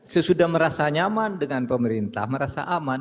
sesudah merasa nyaman dengan pemerintah merasa aman